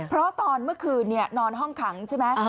เพราะตอนเมื่อคืนนอนห้องขังใช่ไหม